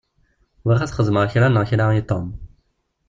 Bɣiɣ ad xedmeɣ kra neɣ kra i Tom.